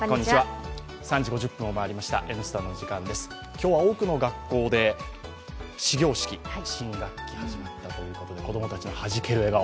今日は多くの学校で始業式新学期、始まったということで子供たちのはじける笑顔